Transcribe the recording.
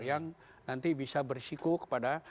yang nanti bisa berisiko kepada